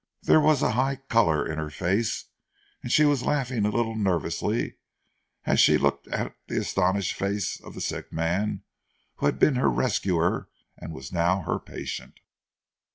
There was a high colour in her face and she was laughing a little nervously as she looked at the astonished face of the sick man who had been her rescuer and was now her patient.